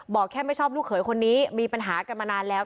บอกแค่ไม่ชอบลูกเขยคนนี้มีปัญหากันมานานแล้ว